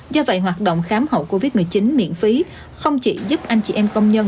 do vậy hoạt động khám hậu covid một mươi chín miễn phí không chỉ giúp anh chị em công nhân